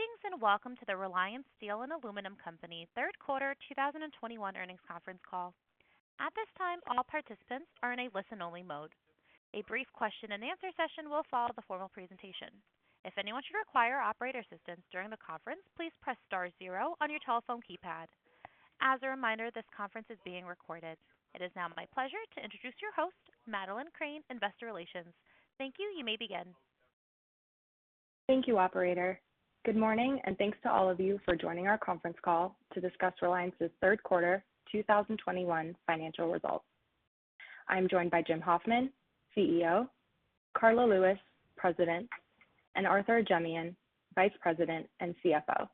Greetings, and welcome to the Reliance Steel & Aluminum Co. third quarter 2021 earnings conference call. At this time, all participants are in a listen-only mode. A brief question-and-answer session will follow the formal presentation. If anyone should require operator assistance during the conference, please press star zero on your telephone keypad. As a reminder, this conference is being recorded. It is now my pleasure to introduce your host, Madeleine Crane, Investor Relations. Thank you. You may begin. Thank you, operator. Good morning, and thanks to all of you for joining our conference call to discuss Reliance's third quarter 2021 financial results. I'm joined by Jim Hoffman, CEO, Karla Lewis, President, and Arthur Ajemyan, Vice President and CFO.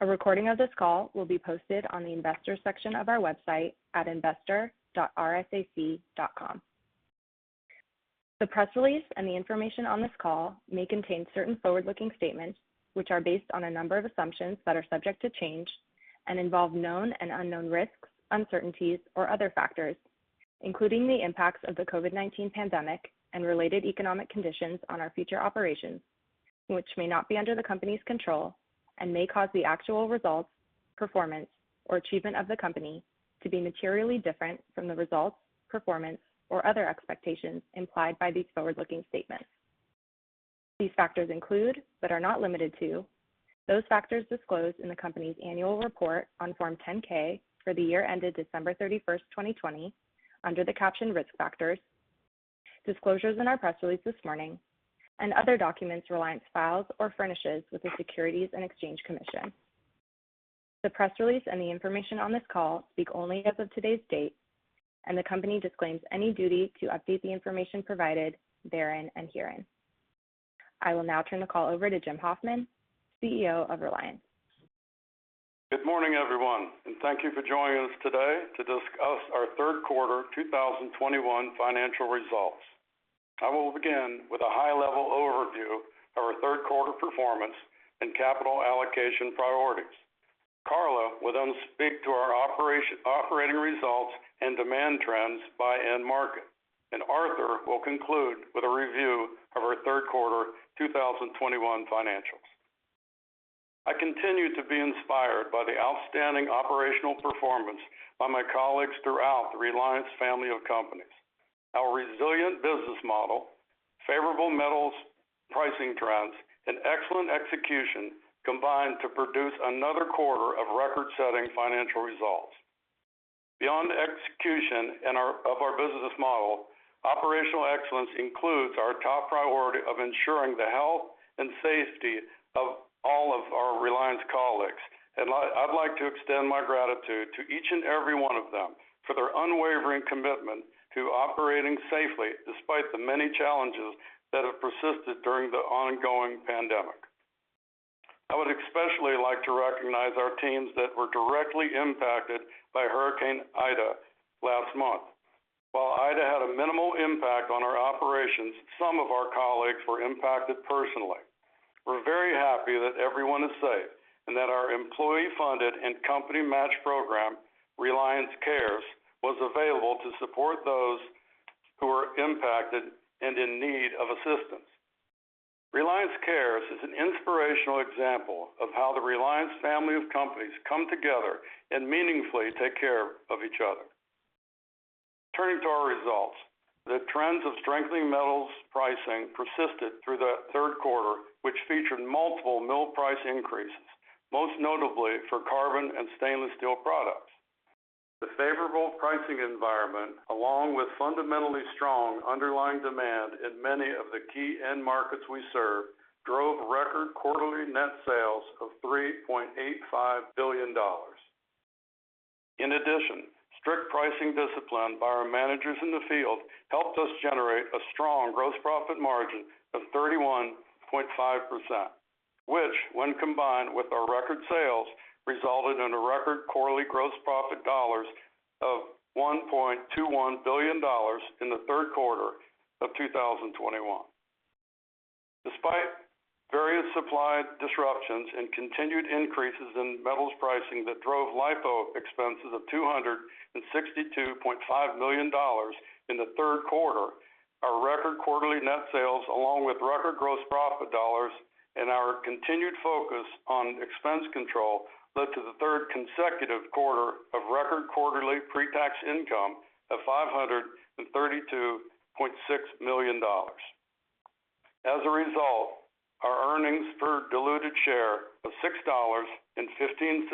A recording of this call will be posted on the investors section of our website at investor.rsac.com. The press release and the information on this call may contain certain forward-looking statements, which are based on a number of assumptions that are subject to change and involve known and unknown risks, uncertainties, or other factors, including the impacts of the COVID-19 pandemic and related economic conditions on our future operations, which may not be under the company's control and may cause the actual results, performance, or achievement of the company to be materially different from the results, performance, or other expectations implied by these forward-looking statements. These factors include, but are not limited to, those factors disclosed in the company's annual report on Form 10-K for the year ended December 31st, 2020, under the caption risk factors, disclosures in our press release this morning, and other documents Reliance files or furnishes with the Securities and Exchange Commission. The press release and the information on this call speak only as of today's date, and the company disclaims any duty to update the information provided therein and herein. I will now turn the call over to Jim Hoffman, CEO of Reliance. Good morning, everyone, and thank you for joining us today to discuss our third quarter 2021 financial results. I will begin with a high-level overview of our third quarter performance and capital allocation priorities. Karla will then speak to our operating results and demand trends by end market, and Arthur will conclude with a review of our third quarter 2021 financials. I continue to be inspired by the outstanding operational performance by my colleagues throughout the Reliance family of companies. Our resilient business model, favorable metals pricing trends, and excellent execution combined to produce another quarter of record-setting financial results. Beyond execution and of our business model, operational excellence includes our top priority of ensuring the health and safety of all of our Reliance colleagues. I'd like to extend my gratitude to each and every one of them for their unwavering commitment to operating safely despite the many challenges that have persisted during the ongoing pandemic. I would especially like to recognize our teams that were directly impacted by Hurricane Ida last month. While Ida had a minimal impact on our operations, some of our colleagues were impacted personally. We're very happy that everyone is safe and that our employee-funded and company-matched program, Reliance Cares, was available to support those who were impacted and in need of assistance. Reliance Cares is an inspirational example of how the Reliance family of companies come together and meaningfully take care of each other. Turning to our results, the trends of strengthening metals pricing persisted through the third quarter, which featured multiple mill price increases, most notably for carbon and stainless steel products. The favorable pricing environment, along with fundamentally strong underlying demand in many of the key end markets we serve, drove record quarterly net sales of $3.85 billion. In addition, strict pricing discipline by our managers in the field helped us generate a strong gross profit margin of 31.5%, which, when combined with our record sales, resulted in a record quarterly gross profit dollars of $1.21 billion in the third quarter of 2021. Despite various supply disruptions and continued increases in metals pricing that drove LIFO expenses of $262.5 million in the third quarter, our record quarterly net sales, along with record gross profit dollars and our continued focus on expense control, led to the third consecutive quarter of record quarterly pre-tax income of $532.6 million. As a result, our earnings per diluted share of $6.15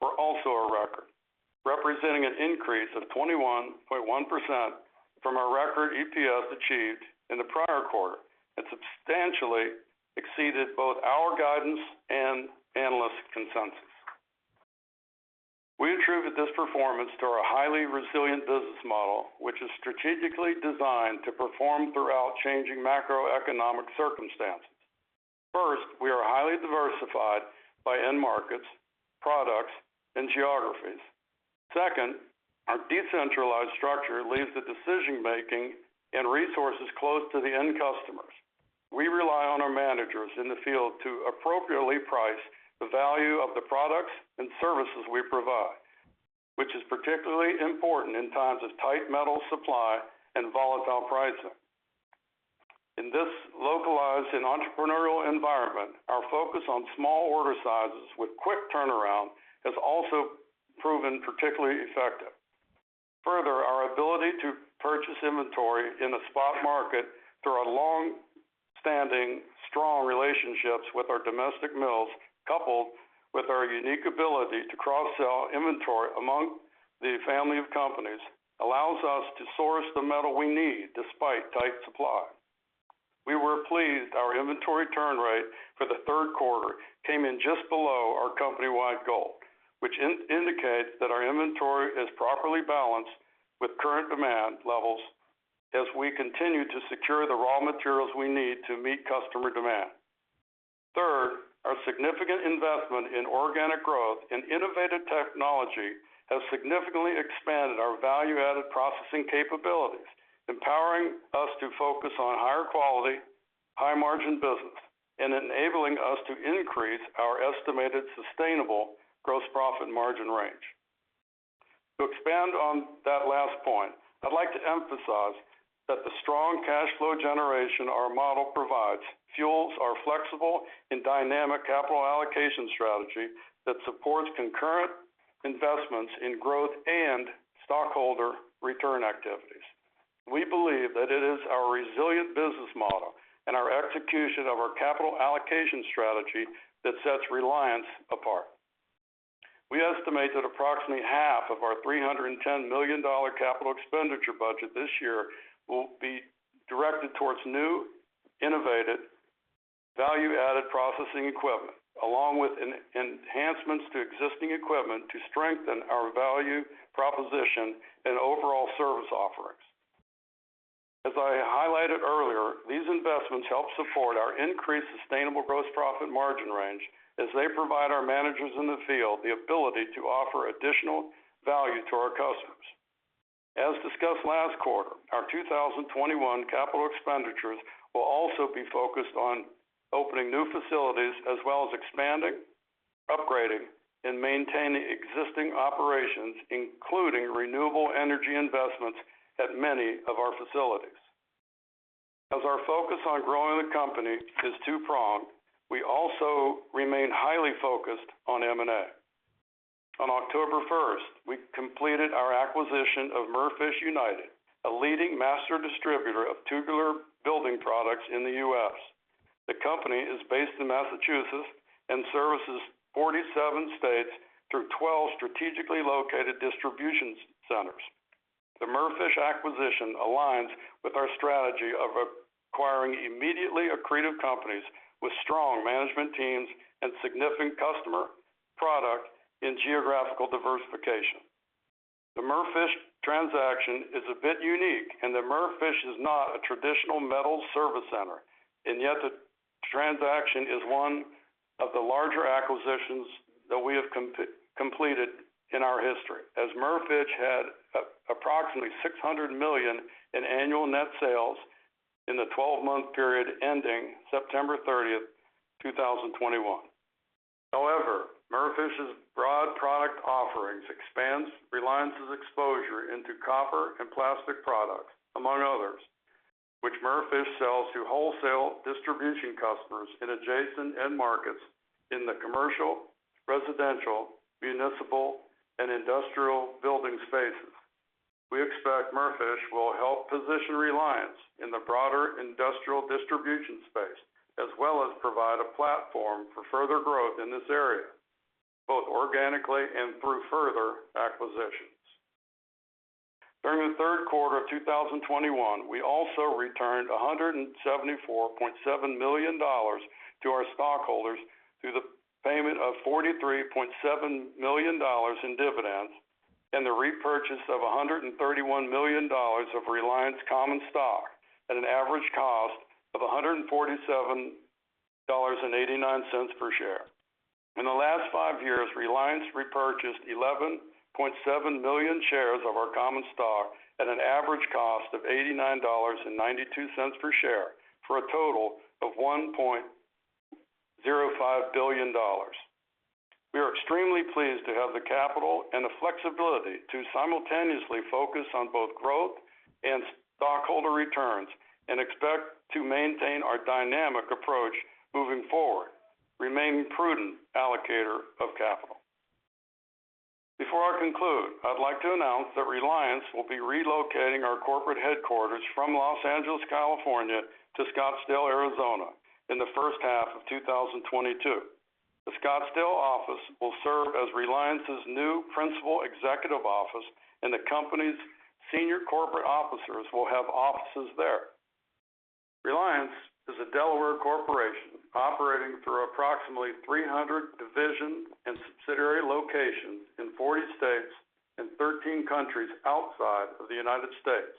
were also a record, representing an increase of 21.1% from our record EPS achieved in the prior quarter and substantially exceeded both our guidance and analyst consensus. We attribute this performance to our highly resilient business model, which is strategically designed to perform throughout changing macroeconomic circumstances. First, we are highly diversified by end markets, products, and geographies. Second, our decentralized structure leaves the decision-making and resources close to the end customers. We rely on our managers in the field to appropriately price the value of the products and services we provide, which is particularly important in times of tight metal supply and volatile pricing. In this localized and entrepreneurial environment, our focus on small order sizes with quick turnaround has also proven particularly effective. Further, our ability to purchase inventory in a spot market through our long-standing strong relationships with our domestic mills, coupled with our unique ability to cross-sell inventory among the family of companies, allows us to source the metal we need despite tight supply. We were pleased our inventory turn rate for the third quarter came in just below our company-wide goal, which indicates that our inventory is properly balanced with current demand levels as we continue to secure the raw materials we need to meet customer demand. Third, our significant investment in organic growth and innovative technology has significantly expanded our value-added processing capabilities, empowering us to focus on higher quality, high-margin business, and enabling us to increase our estimated sustainable gross profit margin range. To expand on that last point, I'd like to emphasize that the strong cash flow generation our model provides fuels our flexible and dynamic capital allocation strategy that supports concurrent investments in growth and stockholder return activities. We believe that it is our resilient business model and our execution of our capital allocation strategy that sets Reliance apart. We estimate that approximately half of our $310 million capital expenditure budget this year will be directed towards new, innovative, value-added processing equipment, along with enhancements to existing equipment to strengthen our value proposition and overall service offerings. As I highlighted earlier, these investments help support our increased sustainable gross profit margin range as they provide our managers in the field the ability to offer additional value to our customers. As discussed last quarter, our 2021 capital expenditures will also be focused on opening new facilities as well as expanding, upgrading, and maintaining existing operations, including renewable energy investments at many of our facilities. Our focus on growing the company is two-pronged. We also remain highly focused on M&A. On October 1st, we completed our acquisition of Merfish United, a leading master distributor of tubular building products in the U.S. The company is based in Massachusetts and services 47 states through 12 strategically located distribution centers. The Merfish acquisition aligns with our strategy of acquiring immediately accretive companies with strong management teams and significant customer, product, and geographical diversification. The Merfish transaction is a bit unique in that Merfish is not a traditional metal service center, and yet the transaction is one of the larger acquisitions that we have completed in our history. Merfish had approximately $600 million in annual net sales in the 12-month period ending September 30th, 2021. However, Merfish's broad product offerings expands Reliance's exposure into copper and plastic products, among others, which Merfish sells to wholesale distribution customers in adjacent end markets in the commercial, residential, municipal, and industrial building spaces. We expect Merfish will help position Reliance in the broader industrial distribution space, as well as provide a platform for further growth in this area, both organically and through further acquisitions. During the third quarter of 2021, we also returned $174.7 million to our stockholders through the payment of $43.7 million in dividends and the repurchase of $131 million of Reliance common stock at an average cost of $147.89 per share. In the last five years, Reliance repurchased $11.7 million shares of our common stock at an average cost of $89.92 per share, for a total of $1.05 billion. We are extremely pleased to have the capital and the flexibility to simultaneously focus on both growth and stockholder returns and expect to maintain our dynamic approach moving forward, remaining prudent allocator of capital. Before I conclude, I'd like to announce that Reliance will be relocating our corporate headquarters from Los Angeles, California, to Scottsdale, Arizona, in the first half of 2022. The Scottsdale office will serve as Reliance's new principal executive office, and the company's senior corporate officers will have offices there. Reliance is a Delaware corporation operating through approximately 300 division and subsidiary locations in 40 states and 13 countries outside of the United States,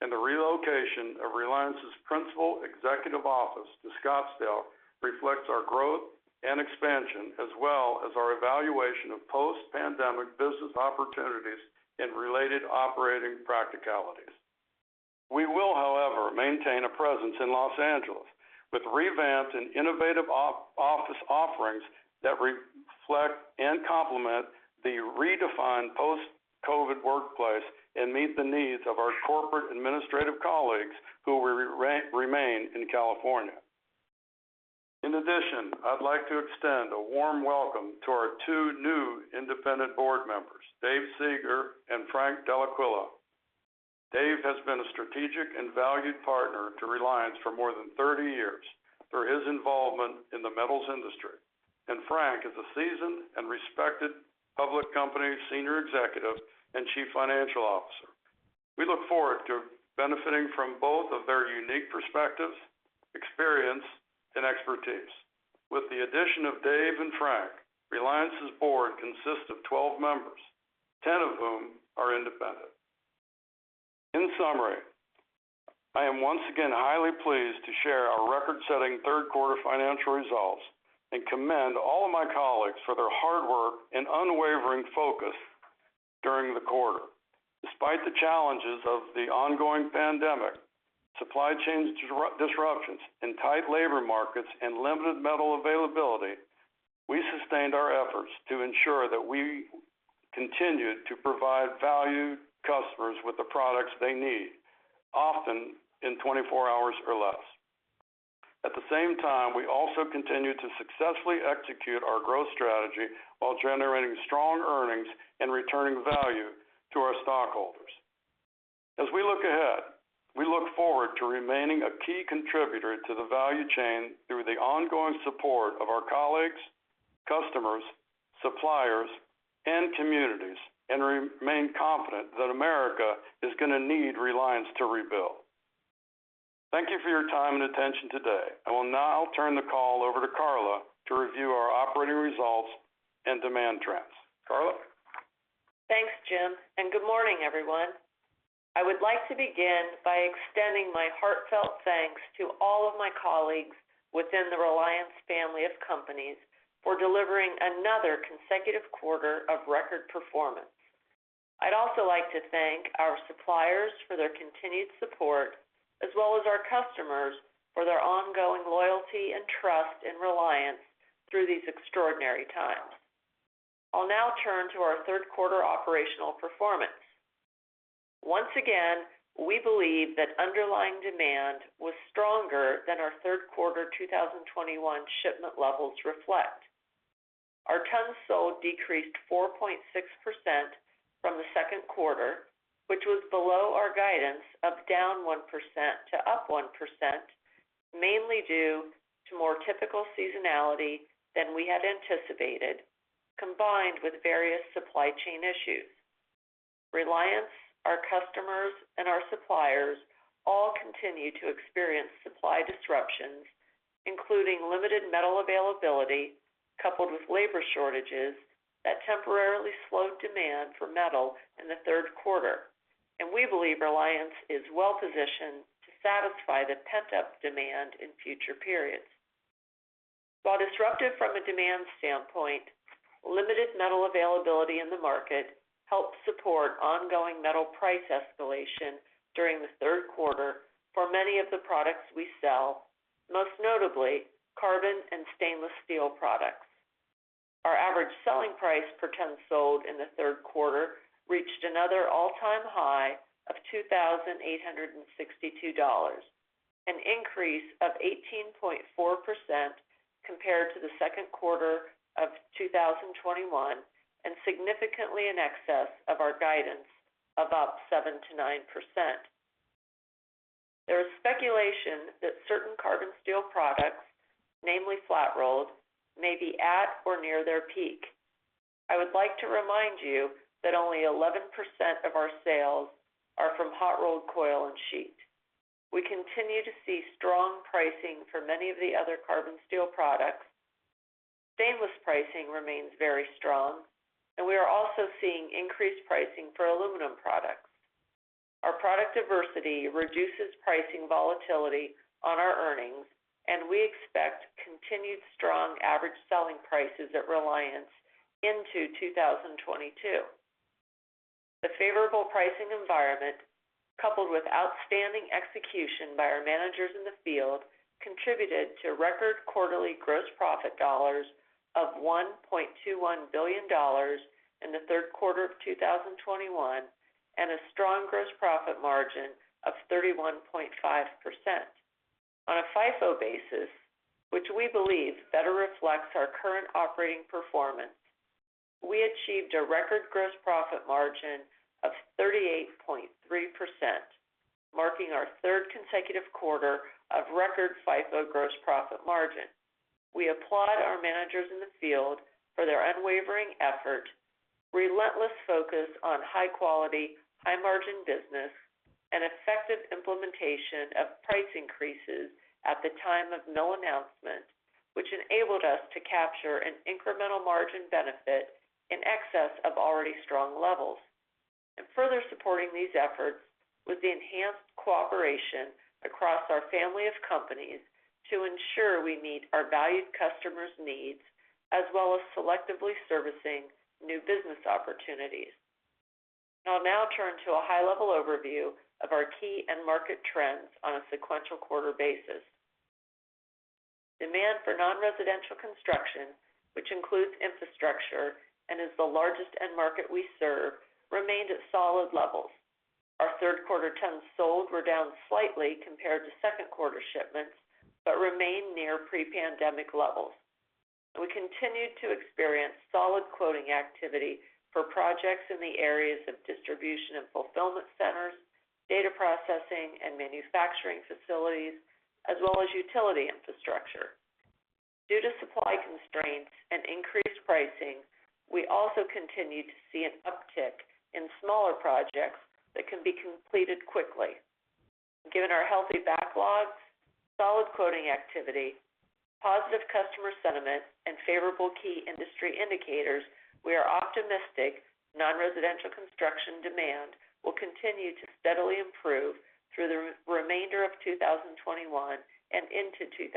and the relocation of Reliance's principal executive office to Scottsdale reflects our growth and expansion as well as our evaluation of post-pandemic business opportunities and related operating practicalities. We will, however, maintain a presence in Los Angeles with revamped and innovative out-of-office offerings that reflect and complement the redefined post-COVID workplace and meet the needs of our corporate administrative colleagues who remain in California. In addition, I'd like to extend a warm welcome to our two new independent board members, Dave Seeger and Frank Dellaquila. Dave has been a strategic and valued partner to Reliance for more than 30 years through his involvement in the metals industry. Frank is a seasoned and respected public company senior executive and chief financial officer. We look forward to benefiting from both of their unique perspectives, experience, and expertise. With the addition of Dave and Frank, Reliance's board consists of 12 members, 10 of whom are independent. In summary, I am once again highly pleased to share our record-setting third quarter financial results and commend all of my colleagues for their hard work and unwavering focus during the quarter. Despite the challenges of the ongoing pandemic, supply chain disruptions, and tight labor markets, and limited metal availability, we sustained our efforts to ensure that we continued to provide valued customers with the products they need, often in 24 hours or less. At the same time, we also continued to successfully execute our growth strategy while generating strong earnings and returning value to our stockholders. As we look ahead, we look forward to remaining a key contributor to the value chain through the ongoing support of our colleagues, customers, suppliers, and communities, and remain confident that America is gonna need Reliance to rebuild. Thank you for your time and attention today. I will now turn the call over to Karla to review our operating results and demand trends. Karla. Thanks, Jim, and good morning, everyone. I would like to begin by extending my heartfelt thanks to all of my colleagues within the Reliance family of companies for delivering another consecutive quarter of record performance. I'd also like to thank our suppliers for their continued support, as well as our customers for their ongoing loyalty and trust in Reliance through these extraordinary times. I'll now turn to our third quarter operational performance. Once again, we believe that underlying demand was stronger than our third quarter 2021 shipment levels reflect. Our tons sold decreased 4.6% from the second quarter, which was below our guidance of down 1% to up 1%, mainly due to more typical seasonality than we had anticipated, combined with various supply chain issues. Reliance, our customers, and our suppliers all continue to experience supply disruptions, including limited metal availability coupled with labor shortages that temporarily slowed demand for metal in the third quarter. We believe Reliance is well-positioned to satisfy the pent-up demand in future periods. While disruptive from a demand standpoint, limited metal availability in the market helped support ongoing metal price escalation during the third quarter for many of the products we sell, most notably carbon and stainless steel products. Our average selling price per ton sold in the third quarter reached another all-time high of $2,862, an increase of 18.4% compared to the second quarter of 2021, and significantly in excess of our guidance of up 7%-9%. There is speculation that certain carbon steel products, namely flat-rolled, may be at or near their peak. I would like to remind you that only 11% of our sales are from hot-rolled coil and sheet. We continue to see strong pricing for many of the other carbon steel products. Stainless pricing remains very strong, and we are also seeing increased pricing for aluminum products. Our product diversity reduces pricing volatility on our earnings, and we expect continued strong average selling prices at Reliance into 2022. The favorable pricing environment, coupled with outstanding execution by our managers in the field, contributed to record quarterly gross profit dollars of $1.21 billion in the third quarter of 2021, and a strong gross profit margin of 31.5%. On a FIFO basis, which we believe better reflects our current operating performance, we achieved a record gross profit margin of 38.3%, marking our third consecutive quarter of record FIFO gross profit margin. We applaud our managers in the field for their unwavering effort, relentless focus on high quality, high margin business, and effective implementation of price increases at the time of no announcement, which enabled us to capture an incremental margin benefit in excess of already strong levels. Further supporting these efforts was the enhanced cooperation across our family of companies to ensure we meet our valued customers' needs, as well as selectively servicing new business opportunities. I'll now turn to a high-level overview of our key end market trends on a sequential quarter basis. Demand for non-residential construction, which includes infrastructure and is the largest end market we serve, remained at solid levels. Our third quarter tons sold were down slightly compared to second-quarter shipments, but remained near pre-pandemic levels. We continued to experience solid quoting activity for projects in the areas of distribution and fulfillment centers, data processing, and manufacturing facilities, as well as utility infrastructure. Due to supply constraints and increased pricing, we also continued to see an uptick in smaller projects that can be completed quickly. Given our healthy backlogs, solid quoting activity, positive customer sentiment, and favorable key industry indicators, we are optimistic non-residential construction demand will continue to steadily improve through the remainder of 2021 and into 2022.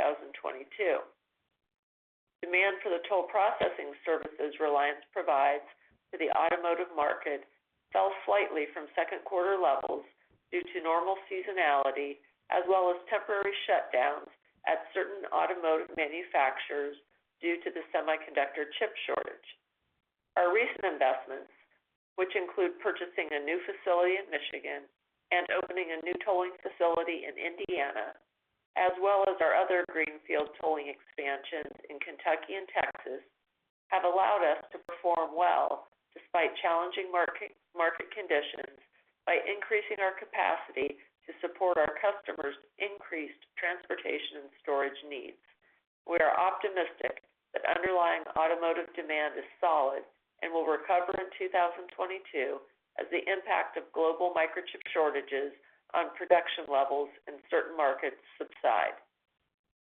Demand for the toll processing services Reliance provides to the automotive market fell slightly from second-quarter levels due to normal seasonality, as well as temporary shutdowns at certain automotive manufacturers due to the semiconductor chip shortage. Our recent investments, which include purchasing a new facility in Michigan and opening a new tolling facility in Indiana, as well as our other greenfield tolling expansions in Kentucky and Texas, have allowed us to perform well despite challenging market conditions by increasing our capacity to support our customers' increased transportation and storage needs. We are optimistic that underlying automotive demand is solid and will recover in 2022 as the impact of global microchip shortages on production levels in certain markets subside.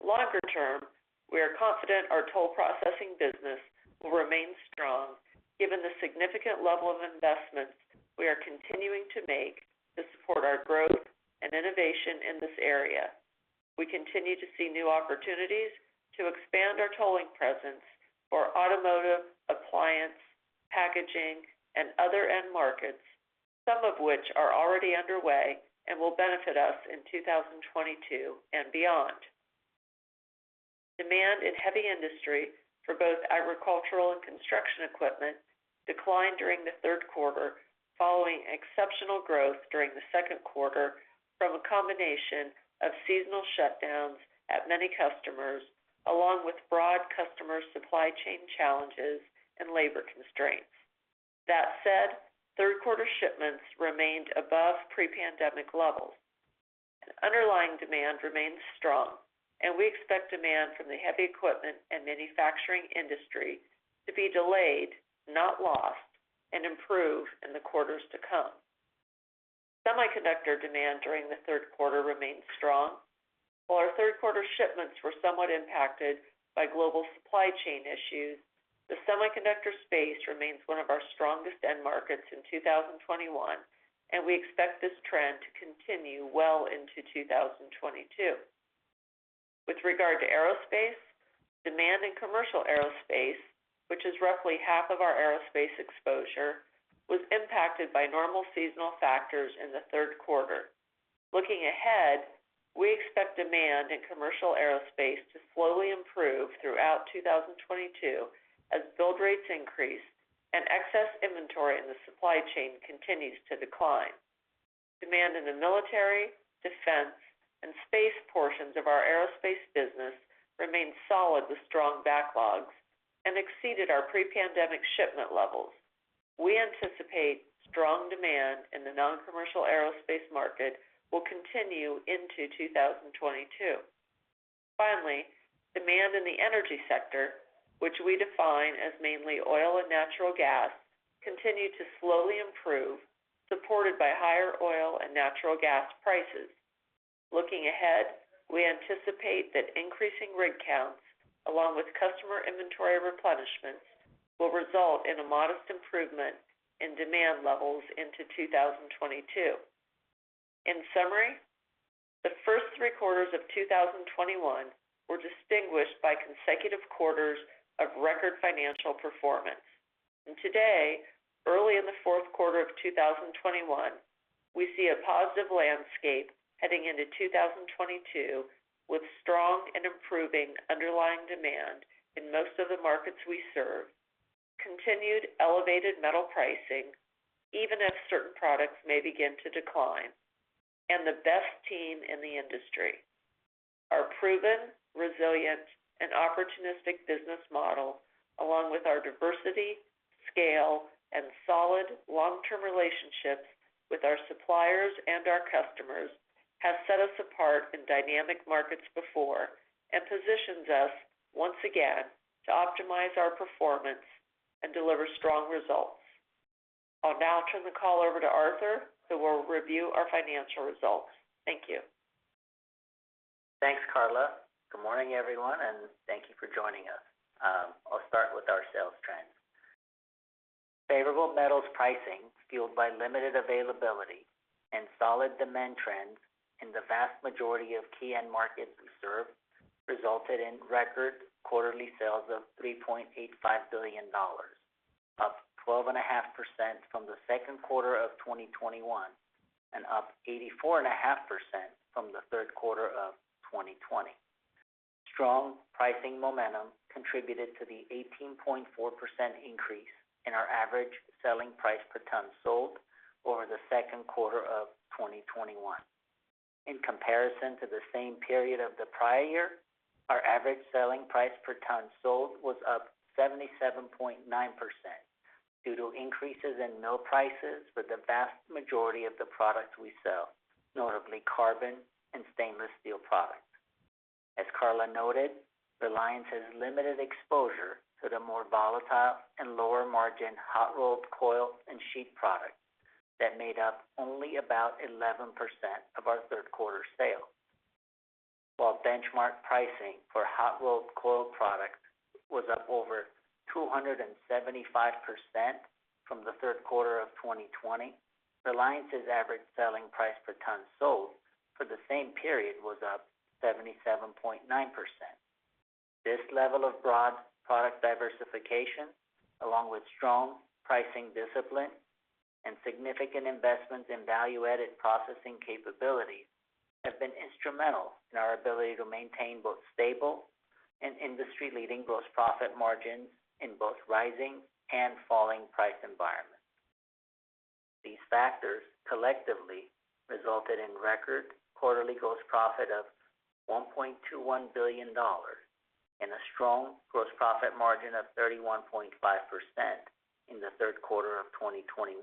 Longer-term, we are confident our toll processing business will remain strong given the significant level of investments we are continuing to make to support our growth and innovation in this area. We continue to see new opportunities to expand our tolling presence for automotive, appliance, packaging, and other end markets, some of which are already underway and will benefit us in 2022 and beyond. Demand in heavy industry for both agricultural and construction equipment declined during the third quarter, following exceptional growth during the second quarter from a combination of seasonal shutdowns at many customers, along with broad customer supply chain challenges and labor constraints. That said, third quarter shipments remained above pre-pandemic levels. Underlying demand remains strong, and we expect demand from the heavy equipment and manufacturing industry to be delayed, not lost, and improve in the quarters to come. Semiconductor demand during the third quarter remained strong. While our third quarter shipments were somewhat impacted by global supply chain issues, the semiconductor space remains one of our strongest end markets in 2021, and we expect this trend to continue well into 2022. With regard to aerospace, demand in commercial aerospace, which is roughly half of our aerospace exposure, was impacted by normal seasonal factors in the third quarter. Looking ahead, we expect demand in commercial aerospace to slowly improve throughout 2022 as build rates increase and excess inventory in the supply chain continues to decline. Demand in the military, defense, and space portions of our aerospace business remained solid with strong backlogs and exceeded our pre-pandemic shipment levels. We anticipate strong demand in the non-commercial aerospace market will continue into 2022. Finally, demand in the energy sector, which we define as mainly oil and natural gas, continued to slowly improve, supported by higher oil and natural gas prices. Looking ahead, we anticipate that increasing rig counts, along with customer inventory replenishments, will result in a modest improvement in demand levels into 2022. In summary, the first three quarters of 2021 were distinguished by consecutive quarters of record financial performance. Today, early in the fourth quarter of 2021, we see a positive landscape heading into 2022, with strong and improving underlying demand in most of the markets we serve, continued elevated metal pricing, even if certain products may begin to decline, and the best team in the industry. Our proven, resilient, and opportunistic business model, along with our diversity, scale, and solid long-term relationships with our suppliers and our customers, have set us apart in dynamic markets before and positions us once again to optimize our performance and deliver strong results. I'll now turn the call over to Arthur, who will review our financial results. Thank you. Thanks, Karla. Good morning, everyone, and thank you for joining us. I'll start with our sales trends. Favorable metals pricing, fueled by limited availability and solid demand trends in the vast majority of key end markets we serve, resulted in record quarterly sales of $3.85 billion, up 12.5% from the second quarter of 2021, and up 84.5% from the third quarter of 2020. Strong pricing momentum contributed to the 18.4% increase in our average selling price per ton sold over the second quarter of 2021. In comparison to the same period of the prior year, our average selling price per ton sold was up 77.9% due to increases in mill prices for the vast majority of the products we sell, notably carbon and stainless steel products. As Karla noted, Reliance has limited exposure to the more volatile and lower-margin hot-rolled coil and sheet products that made up only about 11% of our third quarter sales. While benchmark pricing for hot-rolled coil products was up over 275% from the third quarter of 2020, Reliance's average selling price per ton sold for the same period was up 77.9%. This level of broad product diversification, along with strong pricing discipline and significant investments in value-added processing capabilities, have been instrumental in our ability to maintain both stable and industry-leading gross profit margins in both rising and falling price environments. These factors collectively resulted in record quarterly gross profit of $1.21 billion and a strong gross profit margin of 31.5% in the third quarter of 2021,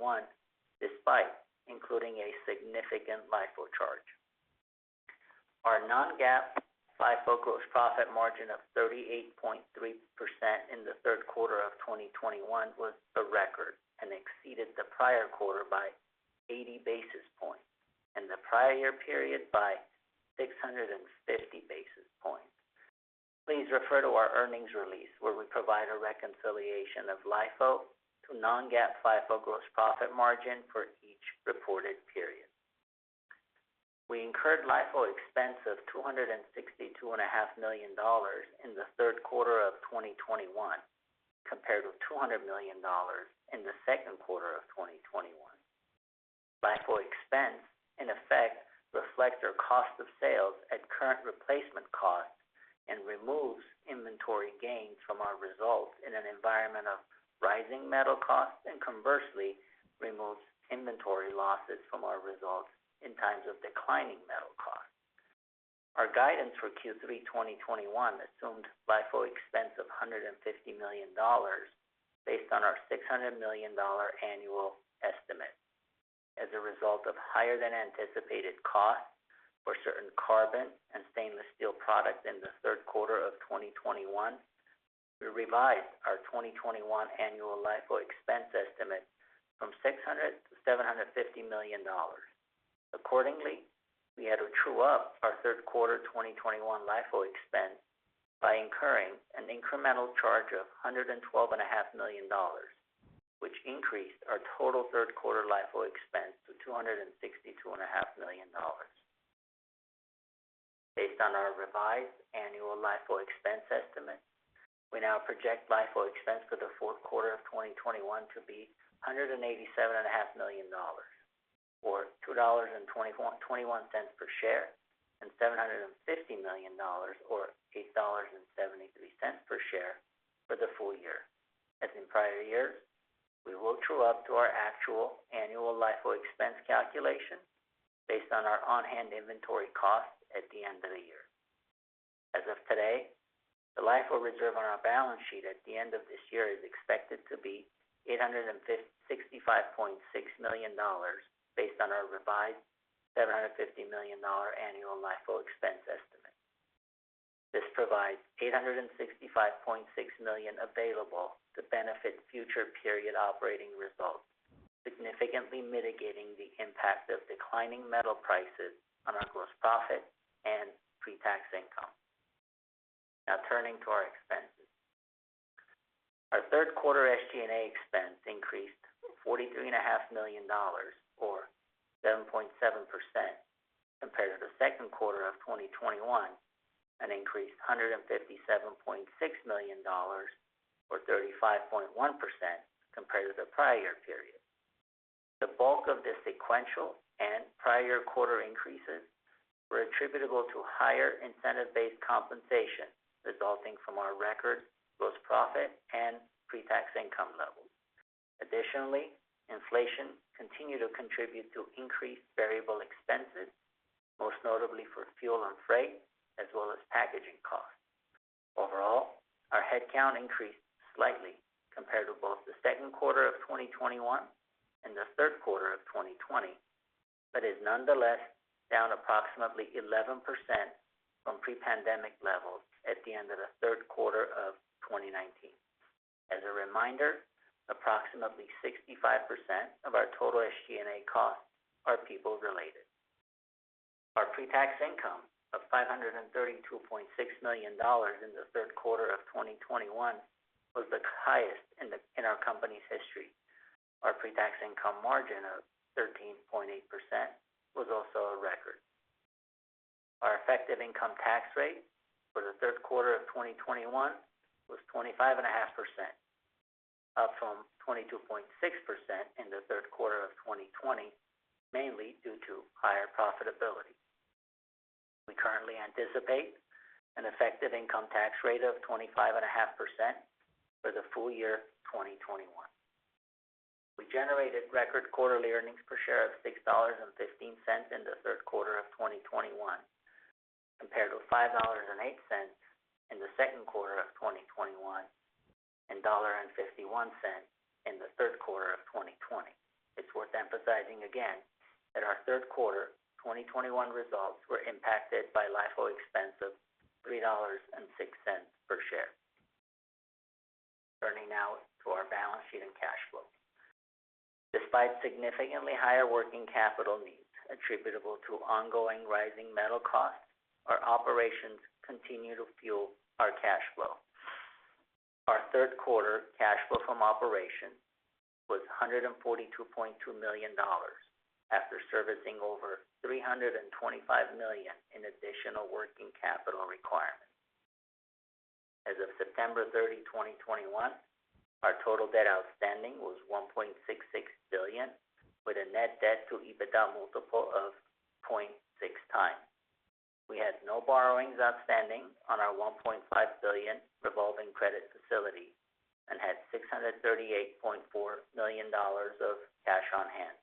despite including a significant LIFO charge. Our non-GAAP, FIFO gross profit margin of 38.3% in the third quarter of 2021 was a record, and exceeded the prior quarter by 80 basis points, and the prior year period by 650 basis points. Please refer to our earnings release, where we provide a reconciliation of LIFO to non-GAAP, FIFO gross profit margin for each reported period. We incurred LIFO expense of $262.5 million in the third quarter of 2021, compared with $200 million in the second quarter of 2021. LIFO expense, in effect, reflects our cost of sales at current replacement costs and removes inventory gains from our results in an environment of rising metal costs, and conversely, removes inventory losses from our results in times of declining metal costs. Our guidance for Q3 2021 assumed LIFO expense of $150 million based on our $600 million annual estimate. As a result of higher than anticipated costs for certain carbon and stainless steel products in the third quarter of 2021, we revised our 2021 annual LIFO expense estimate from 600 to $750 million. Accordingly, we had to true up our third quarter 2021 LIFO expense by incurring an incremental charge of $112.5 million, which increased our total third quarter LIFO expense to $262.5 million. Based on our revised annual LIFO expense estimate, we now project LIFO expense for the fourth quarter of 2021 to be $187.5 million, or $2.21 per share, and $750 million or $8.73 per share for the full year. As in prior years, we will true up to our actual annual LIFO expense calculation based on our on-hand inventory costs at the end of the year. As of today, the LIFO reserve on our balance sheet at the end of this year is expected to be $865.6 million based on our revised $750 million annual LIFO expense estimate. This provides $865.6 million available to benefit future period operating results, significantly mitigating the impact of declining metal prices on our gross profit and pre-tax income. Now turning to our expenses. Our third quarter SG&A expense increased $43.5 million or 7.7% compared to the second quarter of 2021, and increased $157.6 million or 35.1% compared to the prior period. The bulk of the sequential and prior quarter increases were attributable to higher incentive-based compensation resulting from our record gross profit and pre-tax income levels. Additionally, inflation continued to contribute to increased variable expenses, most notably for fuel and freight as well as packaging costs. Overall, our headcount increased slightly compared to both the second quarter of 2021 and the third quarter of 2020, but is nonetheless down approximately 11% from pre-pandemic levels at the end of the third quarter of 2019. As a reminder, approximately 65% of our total SG&A costs are people-related. Our pre-tax income of $532.6 million in the third quarter of 2021 was the highest in our company's history. Our pre-tax income margin of 13.8% was also a record. Our effective income tax rate for the third quarter of 2021 was 25.5%, up from 22.6% in the third quarter of 2020, mainly due to higher profitability. We currently anticipate an effective income tax rate of 25.5% for the full year 2021. We generated record quarterly earnings per share of $6.15 in the third quarter of 2021, compared with $5.08 in the second quarter of 2021, and $1.51 in the third quarter of 2020. It's worth emphasizing again that our third quarter 2021 results were impacted by LIFO expense of $3.06 per share. Turning now to our balance sheet and cash flow. Despite significantly higher working capital needs attributable to ongoing rising metal costs, our operations continue to fuel our cash flow. Our third quarter cash flow from operations was $142.2 million after servicing over $325 million in additional working capital requirements. As of September 30, 2021, our total debt outstanding was $1.66 billion, with a net debt to EBITDA multiple of 0.6x. We had no borrowings outstanding on our $1.5 billion revolving credit facility and had $638.4 million of cash on hand,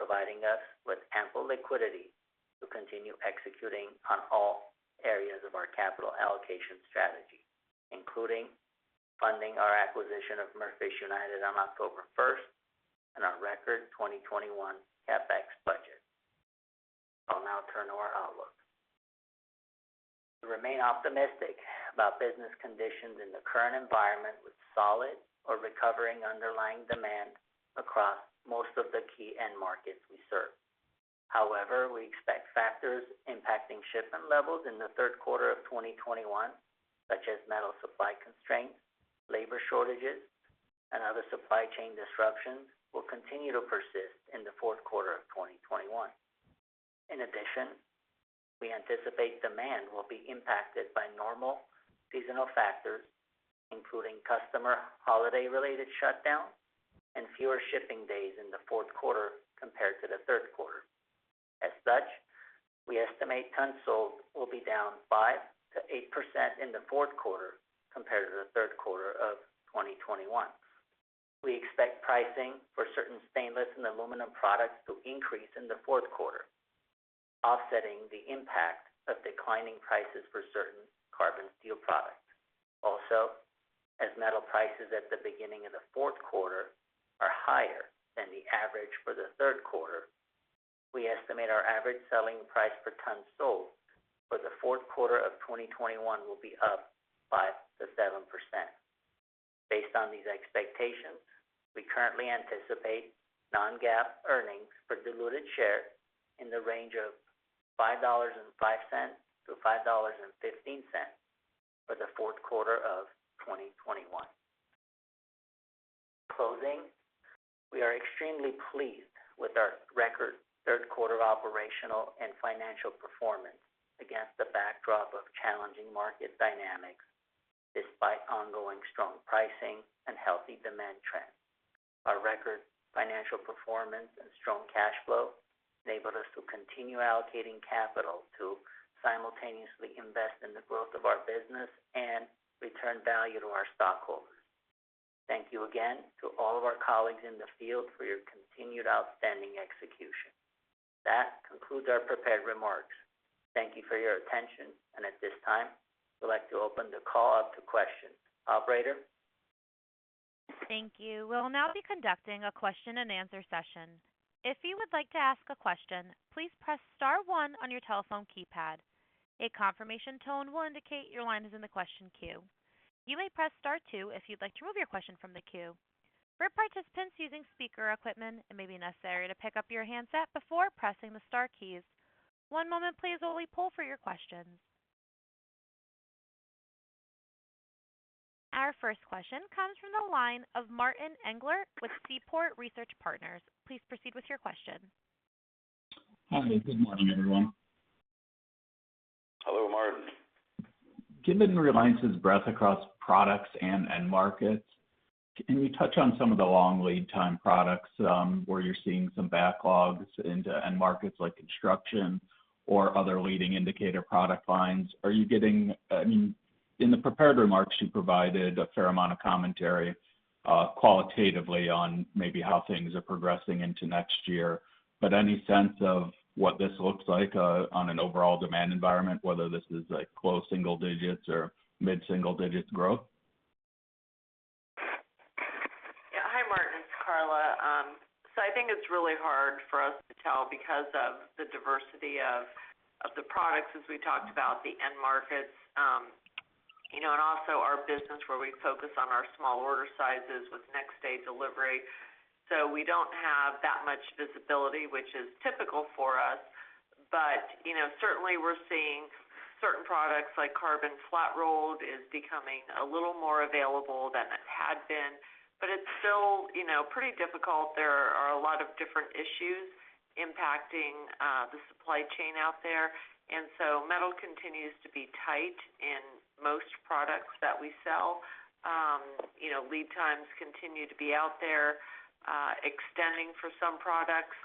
providing us with ample liquidity to continue executing on all areas of our capital allocation strategy, including funding our acquisition of Merfish United on October 1st and our record 2021 CapEx budget. I'll now turn to our outlook. We remain optimistic about business conditions in the current environment with solid or recovering underlying demand across most of the key end markets we serve. However, we expect factors impacting shipment levels in the third quarter of 2021, such as metal supply constraints, labor shortages, and other supply chain disruptions, will continue to persist in the fourth quarter of 2021. In addition, we anticipate demand will be impacted by normal seasonal factors, including customer holiday-related shutdowns and fewer shipping days in the fourth quarter compared to the third quarter. As such, we estimate tons sold will be down 5%-8% in the fourth quarter compared to the third quarter of 2021. We expect pricing for certain stainless and aluminum products to increase in the fourth quarter, offsetting the impact of declining prices for certain carbon steel products. Also, as metal prices at the beginning of the fourth quarter are higher than the average for the third quarter, we estimate our average selling price per ton sold for the fourth quarter of 2021 will be up 5%-7%. Based on these expectations, we currently anticipate non-GAAP earnings per diluted share in the range of $5.05-$5.15 for the fourth quarter of 2021. In closing, we are extremely pleased with our record third quarter operational and financial performance against the backdrop of challenging market dynamics despite ongoing strong pricing and healthy demand trends. Our record financial performance and strong cash flow enabled us to continue allocating capital to simultaneously invest in the growth of our business and return value to our stockholders. Thank you again to all of our colleagues in the field for your continued outstanding execution. That concludes our prepared remarks. Thank you for your attention. At this time, we'd like to open the call up to questions. Operator? Thank you. We'll now be conducting a question-and-answer session. If you would like to ask a question, please press star one on your telephone keypad. A confirmation tone will indicate your line is in the question queue. You may press star two if you'd like to remove your question from the queue. For participants using speaker equipment, it may be necessary to pick up your handset before pressing the star keys. One moment, please, while we poll for your questions. Our first question comes from the line of Martin Englert with Seaport Research Partners. Please proceed with your question. Hi. Good morning, everyone. Hello, Martin. Given Reliance's breadth across products and end markets, can you touch on some of the long lead time products, where you're seeing some backlogs into end markets like construction or other leading indicator product lines? Are you getting, I mean, in the prepared remarks, you provided a fair amount of commentary, qualitatively on maybe how things are progressing into next year? Any sense of what this looks like, on an overall demand environment, whether this is like low single digits or mid-single digits growth? Yeah. Hi, Martin. It's Karla. I think it's really hard for us to tell because of the diversity of the products as we talked about, the end markets. You know, also our business where we focus on our small order sizes with next day delivery. We don't have that much visibility, which is typical for us. You know, certainly we're seeing certain products like carbon flat-rolled is becoming a little more available than it had been, but it's still, you know, pretty difficult. There are a lot of different issues impacting the supply chain out there. Metal continues to be tight in most products that we sell. You know, lead times continue to be out there, extending for some products,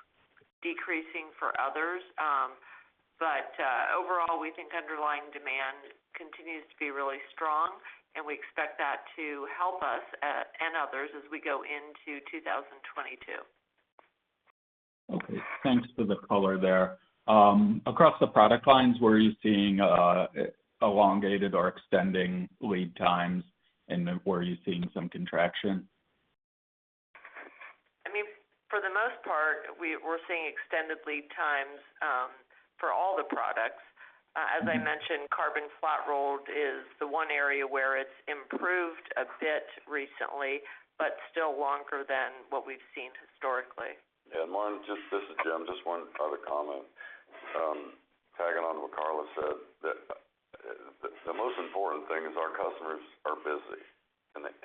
decreasing for others. Overall, we think underlying demand continues to be really strong, and we expect that to help us and others as we go into 2022. Okay. Thanks for the color there. Across the product lines, were you seeing elongated or extending lead times, and were you seeing some contraction? I mean, for the most part, we're seeing extended lead times for all the products. As I mentioned, carbon flat-rolled is the one area where it's improved a bit recently, but still longer than what we've seen historically. Yeah. Martin, just this is Jim. Just one other comment, tagging on to what Karla said. The most important thing is our customers are busy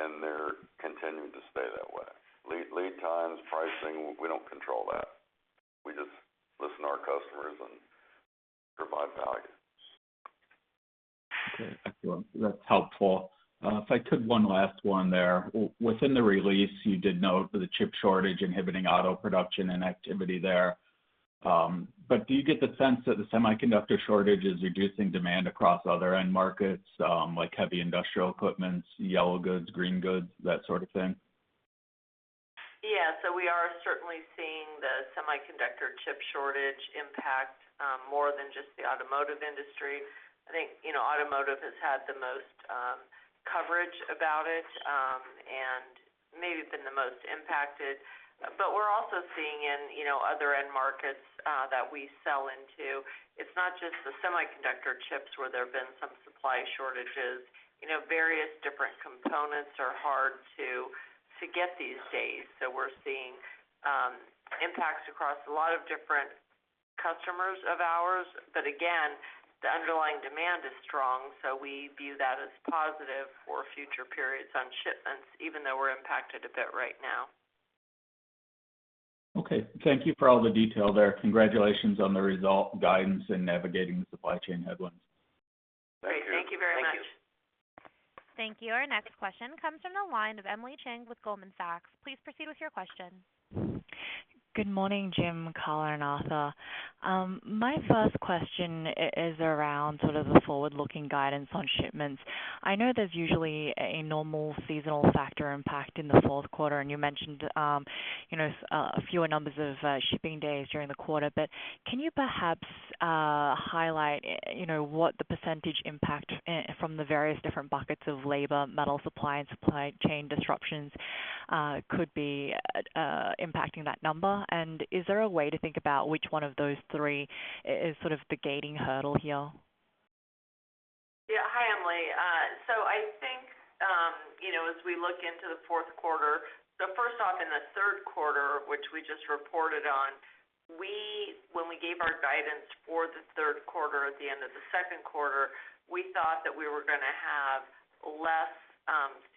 and they're continuing to stay that way. Lead times, pricing, we don't control that. We just listen to our customers and provide value. Okay. Excellent. That's helpful. If I could one last one there. Within the release, you did note the chip shortage inhibiting auto production and activity there. Do you get the sense that the semiconductor shortage is reducing demand across other end markets, like heavy industrial equipment, yellow goods, green goods, that sort of thing? Yeah. We are certainly seeing the semiconductor chip shortage impact more than just the automotive industry. I think, you know, automotive has had the most coverage about it and maybe been the most impacted. We're also seeing in, you know, other end markets that we sell into. It's not just the semiconductor chips where there have been some supply shortages. You know, various different components are hard to get these days. We're seeing impacts across a lot of different customers of ours. Again, the underlying demand is strong, so we view that as positive for future periods on shipments, even though we're impacted a bit right now. Okay. Thank you for all the detail there. Congratulations on the result, guidance and navigating the supply chain headwinds. Thank you. Great. Thank you very much. Thank you. Our next question comes from the line of Emily Chieng with Goldman Sachs. Please proceed with your question. Good morning, Jim, Karla, and Arthur. My first question is around sort of the forward-looking guidance on shipments. I know there's usually a normal seasonal factor impact in the fourth quarter, and you mentioned, you know, fewer numbers of shipping days during the quarter. But can you perhaps highlight, you know, what the percentage impact from the various different buckets of labor, metal supply, and supply chain disruptions could be impacting that number? And is there a way to think about which one of those three is sort of the gating hurdle here? Hi, Emily. I think, you know, as we look into the fourth quarter, first off, in the third quarter, which we just reported on, when we gave our guidance for the third quarter at the end of the second quarter, we thought that we were gonna have less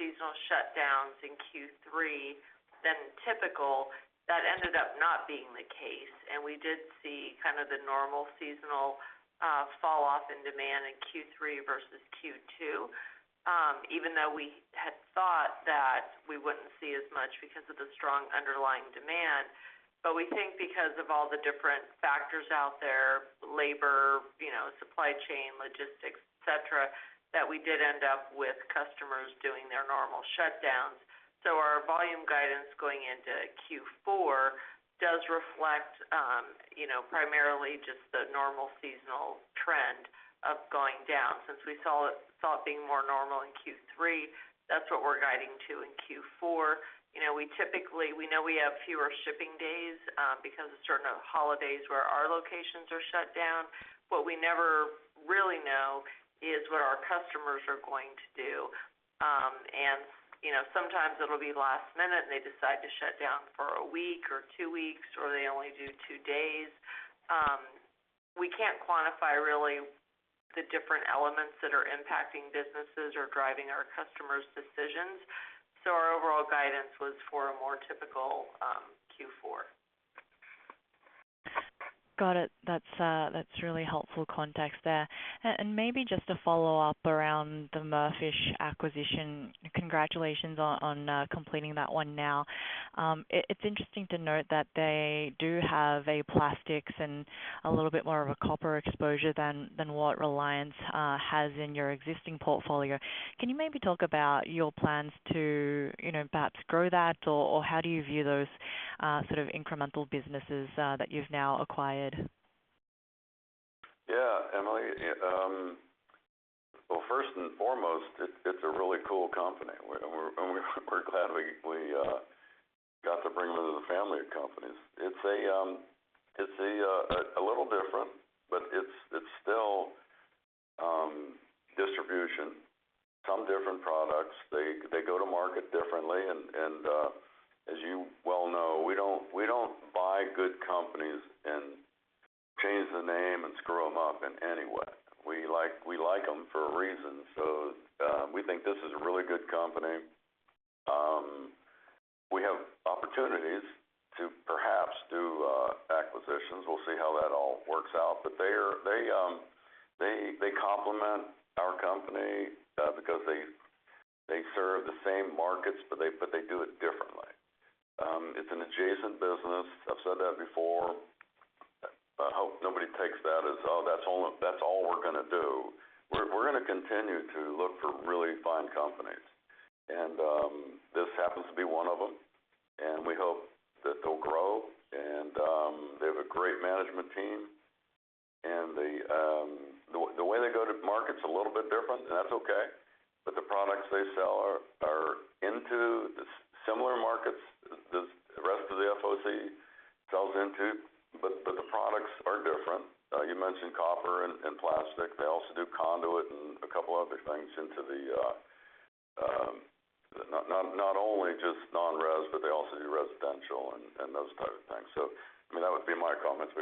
seasonal shutdowns in Q3 than typical. That ended up not being the case, and we did see kind of the normal seasonal falloff in demand in Q3 versus Q2, even though we had thought that we wouldn't see as much because of the strong underlying demand. But we think because of all the different factors out there, labor, you know, supply chain, logistics, et cetera, that we did end up with customers doing their normal shutdowns. Our volume guidance going into Q4 does reflect, you know, primarily just the normal seasonal trend of going down. Since we saw it being more normal in Q3, that's what we're guiding to in Q4. You know, we typically know we have fewer shipping days, because of certain holidays where our locations are shut down. What we never really know is what our customers are going to do. And, you know, sometimes it'll be last minute and they decide to shut down for a week or two weeks, or they only do two days. We can't quantify really the different elements that are impacting businesses or driving our customers' decisions. Our overall guidance was for a more typical Q4. Got it. That's really helpful context there. Maybe just a follow-up around the Merfish acquisition. Congratulations on completing that one now. It's interesting to note that they do have a plastics and a little bit more of a copper exposure than what Reliance has in your existing portfolio. Can you maybe talk about your plans to, you know, perhaps grow that, or how do you view those sort of incremental businesses that you've now acquired? Yeah, Emily. Well, first and foremost, it's a really cool company. We're glad we got to bring them into the family of companies. It's a little different, but it's still distribution. Some different products. They go to market differently and, as you well know, we don't buy good companies and change the name and screw them up in any way. We like them for a reason. We think this is a really good company. We have opportunities to perhaps do acquisitions. We'll see how that all works out. But they complement our company, because they serve the same markets, but they do it differently. It's an adjacent business. I've said that before. I hope nobody takes that as, oh, that's all we're gonna do. We're gonna continue to look for really fine companies, and this happens to be one of them. We hope that they'll grow. They have a great management team. The way they go to market's a little bit different, and that's okay. The products they sell are into similar markets the rest of the FOC sells into, but the products are different. You mentioned copper and plastic. They also do conduit and a couple other things into the not only just non-res, but they also do residential and those type of things. I mean, that would be my comments.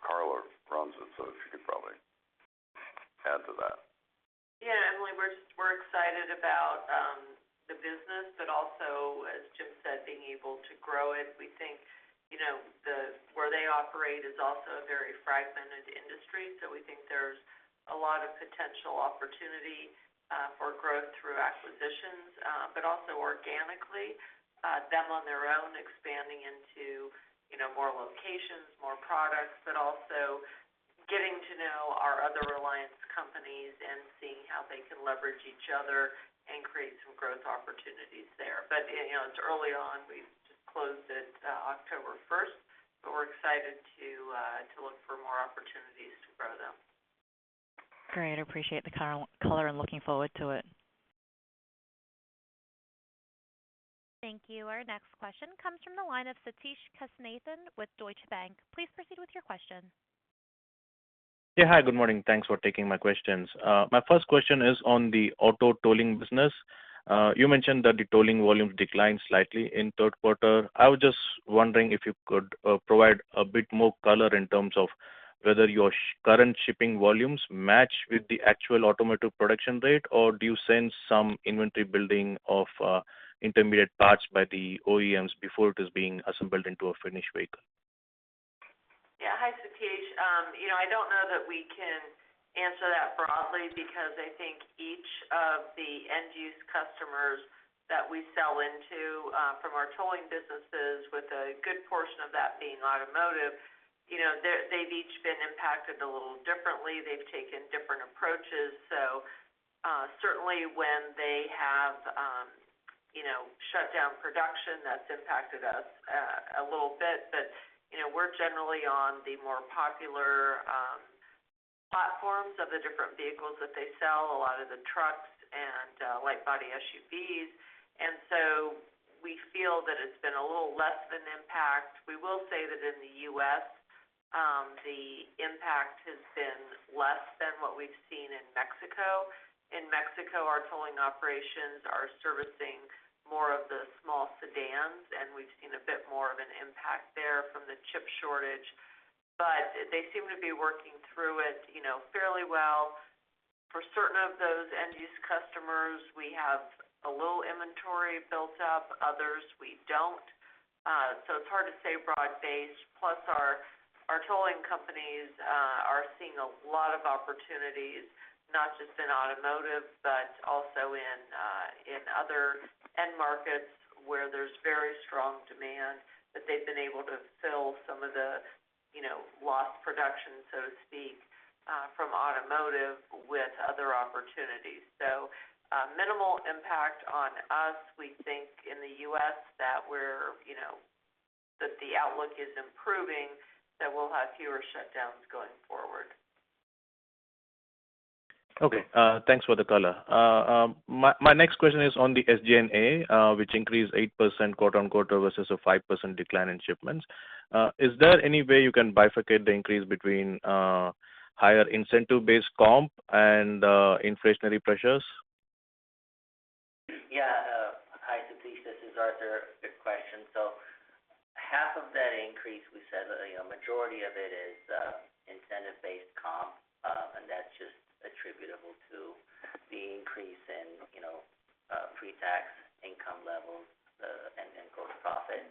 Karla runs it, so she could probably add to that. Yeah, Emily, we're excited about the business, but also, as Jim said, being able to grow it. We think, you know, where they operate is also a very fragmented industry. We think there's a lot of potential opportunity for growth through acquisitions, but also organically, them on their own expanding into, you know, more locations, more products, but also getting to know our other Reliance companies and seeing how they can leverage each other and create some growth opportunities there. But, you know, it's early on. We've just closed it October 1st, but we're excited to look for more opportunities to grow them. Great. I appreciate the color. I'm looking forward to it. Thank you. Our next question comes from the line of Sathish Kasinathan with Deutsche Bank. Please proceed with your question. Yeah. Hi. Good morning. Thanks for taking my questions. My first question is on the auto tolling business. You mentioned that the tolling volumes declined slightly in third quarter. I was just wondering if you could provide a bit more color in terms of whether your current shipping volumes match with the actual automotive production rate, or do you sense some inventory building of intermediate parts by the OEMs before it is being assembled into a finished vehicle? Yeah. Hi, Sathish. You know, I don't know that we can answer that broadly because I think each of the end-use customers that we sell into from our tolling businesses with a good portion of that being automotive, you know, they've each been impacted a little differently. They've taken different approaches. Certainly when they have, you know, shut down production, that's impacted us a little bit. You know, we're generally on the more popular platforms of the different vehicles that they sell, a lot of the trucks and light-duty SUVs. We feel that it's been a little less of an impact. We will say that in the U.S., the impact has been less than what we've seen in Mexico. In Mexico, our tolling operations are servicing more of the small sedans, and we've seen a bit more of an impact there from the chip shortage. They seem to be working through it, you know, fairly well. For certain of those end-use customers we have a little inventory built up, others we don't. It's hard to say broad-based. Plus, our tolling companies are seeing a lot of opportunities, not just in automotive, but also in other end markets where there's very strong demand that they've been able to fill some of the, you know, lost production, so to speak, from automotive with other opportunities. Minimal impact on us. We think in the U.S. that we're, you know, that the outlook is improving, that we'll have fewer shutdowns going forward. Thanks for the color. My next question is on the SG&A, which increased 8% quarter-over-quarter versus a 5% decline in shipments. Is there any way you can bifurcate the increase between higher incentive-based comp and inflationary pressures? Yeah. Hi, Sathish. This is Arthur. Good question. Half of that increase, we said, you know, majority of it is incentive-based comp, and that's just attributable to the increase in, you know, pre-tax income levels, and in gross profit.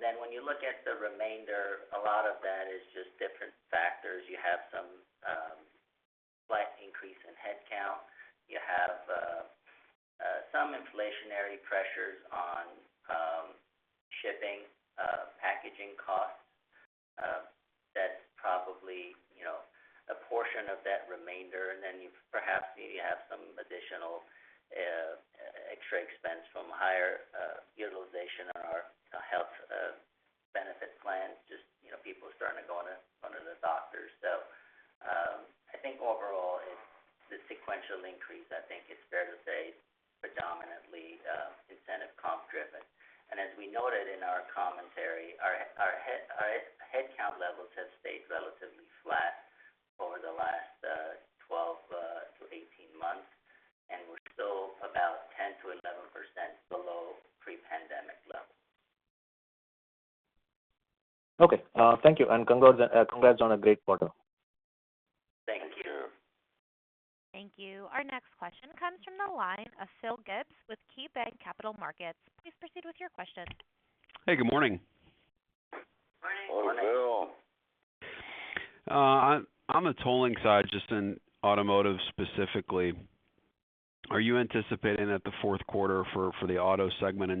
Then when you look at the remainder, a lot of that is just different factors. You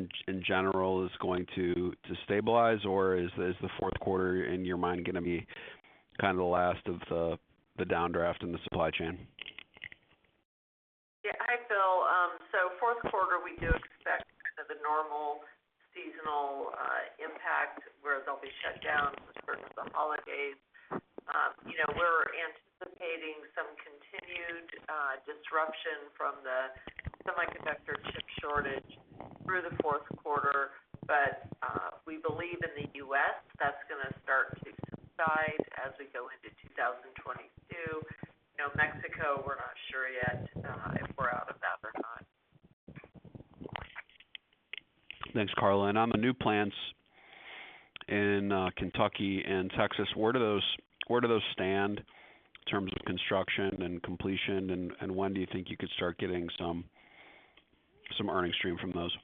Thank you. Thank you. Our next question comes from the line of Phil Gibbs with KeyBanc Capital Markets. Please proceed with your question. Hey, good morning. Morning. Hello, Phil. On the tolling side, just in automotive specifically, are you anticipating that the fourth quarter for the auto segment in general is going to stabilize? Or is the fourth quarter, in your mind, gonna be kind of the last of the downdraft in the supply chain? Yeah. Hi, Phil. Fourth quarter, we do expect kind of the normal seasonal impact where there'll be shutdowns with respect to the holidays. You know, we're anticipating some continued disruption from the semiconductor chip shortage through the fourth quarter. We believe in the U.S., that's gonna start to subside as we go into 2022. You know, Mexico, we're not sure yet if we're out of that or not. Thanks, Karla. On the new plants in Kentucky and Texas, where do those stand in terms of construction and completion? When do you think you could start getting some earnings stream from those?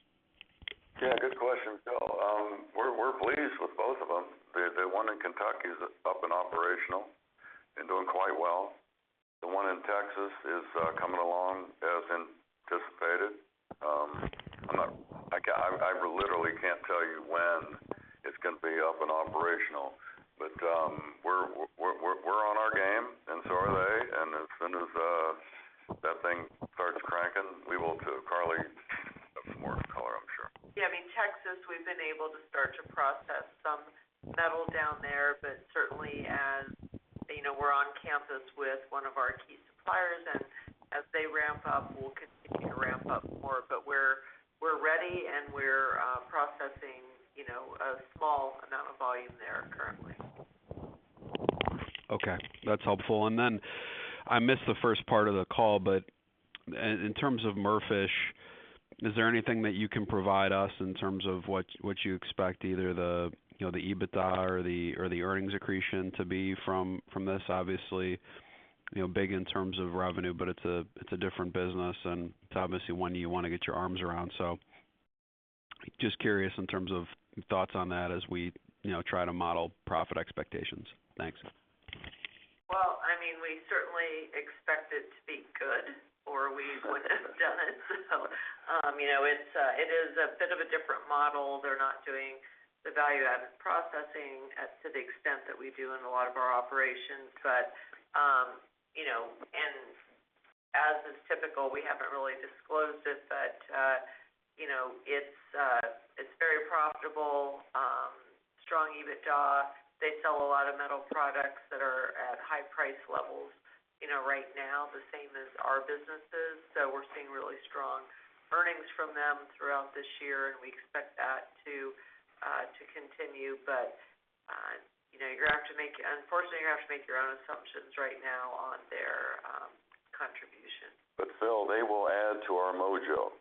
Well, I mean, we certainly expect it to be good or we wouldn't have done it. You know, it is a bit of a different model. They're not doing the value-added processing to the extent that we do in a lot of our operations. You know, as is typical, we haven't really disclosed it. You know, it's very profitable, strong EBITDA. They sell a lot of metal products that are at high price levels, you know, right now, the same as our businesses. We're seeing really strong earnings from them throughout this year, and we expect that to continue. You know, unfortunately, you're gonna have to make your own assumptions right now on their contribution. Phil, they will add to our mojo.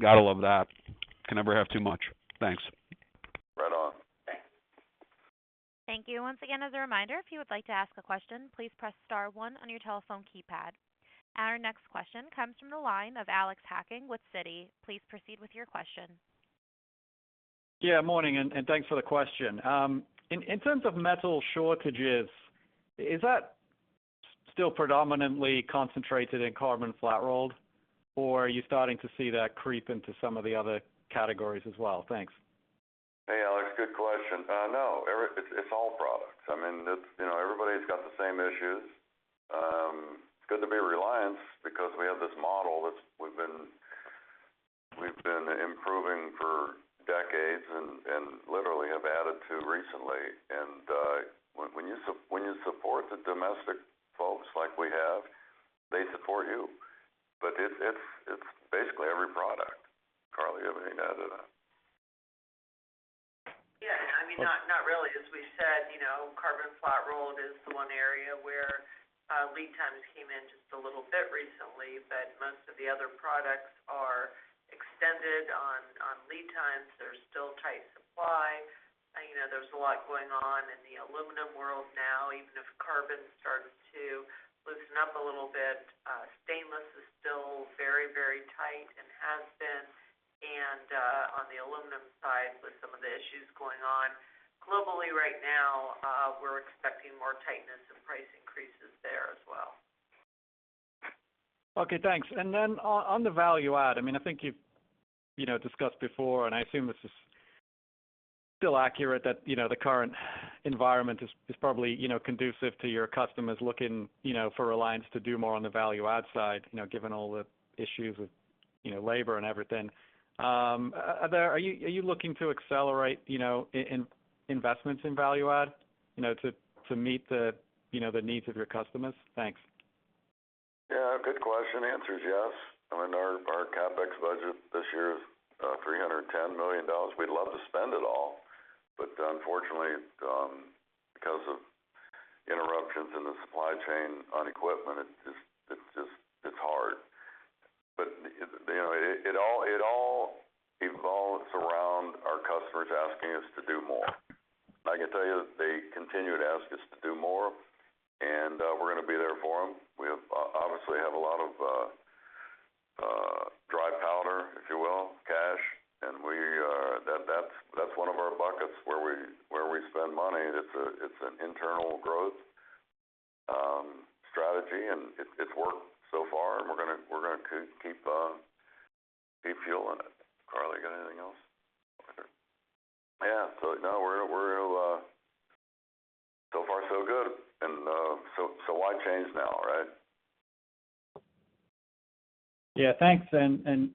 Gotta love that. Can never have too much. Thanks. Right on. Thank you. Once again, as a reminder, if you would like to ask a question, please press star one on your telephone keypad. Our next question comes from the line of Alex Hacking with Citi. Please proceed with your question. Yeah, morning, and thanks for the question. In terms of metal shortages, is that still predominantly concentrated in carbon flat-rolled, or are you starting to see that creep into some of the other categories as well? Thanks. Hey, Alex. Good question. No. It's all products. I mean, it's, you know, everybody's got the same issues. It's good to be Reliance because we have this model we've been improving for decades and literally have added to recently. When you support the domestic folks like we have, they support you. It's basically every product. Karla, you have anything to add to that? Yeah. I mean, not really. As we said, you know, carbon flat-rolled is the one area where lead times came in just a little bit recently, but most of the other products are extended on lead times. There's still tight supply. You know, there's a lot going on in the aluminum world now, even if carbon is starting to loosen up a little bit. Stainless is still very, very tight and has been. On the aluminum side, with some of the issues going on globally right now, we're expecting more tightness and price increases there as well. Okay, thanks. Then on the value add, I mean, I think you've, you know, discussed before, and I assume this is still accurate, that, you know, the current environment is probably, you know, conducive to your customers looking, you know, for Reliance to do more on the value add side, you know, given all the issues with, you know, labor and everything. Are you looking to accelerate, you know, investments in value add, you know, to meet the, you know, the needs of your customers? Thanks. Yeah, good question. Answer is yes. I mean, our CapEx budget this year is $310 million. We'd love to spend it all, but unfortunately, because of interruptions in the supply chain on equipment, it's just hard. It all revolves around our customers asking us to do more. I can tell you they continue to ask us to do more, and we're gonna be there for them. We obviously have a lot of dry powder, if you will, cash. That's one of our buckets where we spend money. It's an internal growth strategy, and it's worked so far, and we're gonna keep fueling it. Carly, you got anything else? Okay. Yeah. No, we're so far so good. Why change now, right? Yeah, thanks. You